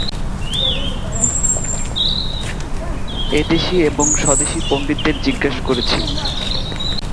এদেশী এবং স্বদেশী পণ্ডিতদের জিজ্ঞাসা করেছি।